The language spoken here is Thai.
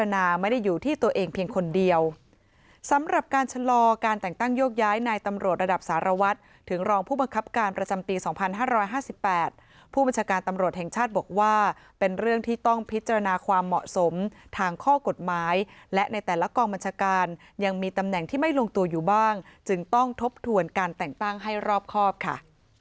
นี้๒๕๕๘ผู้บัญชาการตำรวจแห่งชาติบอกว่าเป็นเรื่องที่ต้องพิจารณาความเหมาะสมทางข้อกฎหมายและในแต่ละกองบัญชาการยังมีตำแหน่งที่ไม่ลงตัวอยู่บ้างจึงต้องทบทวนการแต่งตั้งให้รอบครอบค่ะ